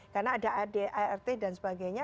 karena ada art dan sebagainya